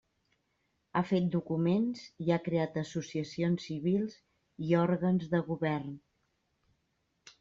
Ha fet documents i ha creat associacions civils i òrgans de govern.